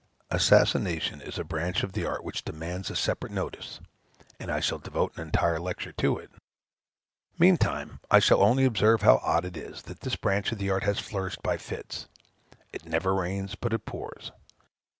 Assassination is a branch of the art which demands a separate notice; and I shall devote an entire lecture to it. Meantime, I shall only observe how odd it is, that this branch of the art has flourished by fits. It never rains, but it pours.